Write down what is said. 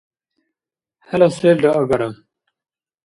ХӀела селра агара.